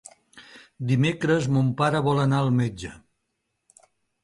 Dimecres mon pare vol anar al metge.